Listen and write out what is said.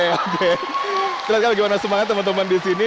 kita lihat bagaimana semangat teman teman di sini